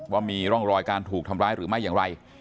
ว่ามีร่องรอยการถูกทำร้ายหรือไม่อย่างไร